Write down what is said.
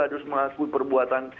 harus mengaku perbuatan